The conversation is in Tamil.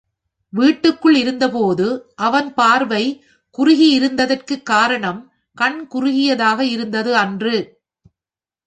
வீட்டுக்குள் இருந்தபோது அவன் பார்வை குறுகி இருந்ததற்குக் காரணம் கண் குறுகியதாக இருந்தது அன்று.